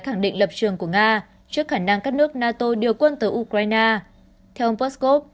khẳng định lập trường của nga trước khả năng các nước nato điều quân tới ukraine theo ông poskov